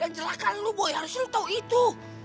yang celaka lo boy harus lo tau itu